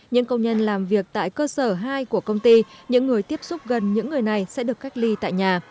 những công nhân làm việc tại cơ sở hai của công ty những người tiếp xúc gần những người này sẽ được cách ly tại nhà